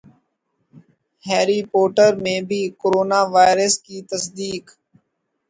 Harry Potter میں بھی corona virus کی تصدیق